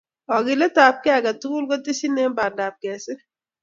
Kakiletapkei age tugul ko tesyin eng pandap kesir